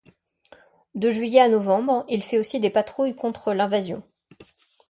De juillet à novembre, il fait aussi des patrouilles contre l'invasion.